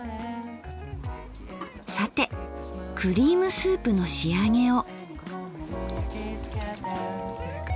さてクリームスープの仕上げを。